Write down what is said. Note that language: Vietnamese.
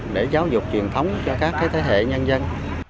để giáo dục truyền thống cho các thế hệ nhân dân